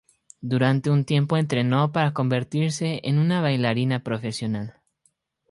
Durante un tiempo entrenó para convertirse en una bailarina profesional.